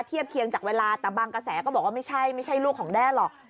เทียบเคียงจากเวลาแต่บางกระแสก็บอกว่าไม่ใช่ไม่ใช่ลูกของแด้หรอก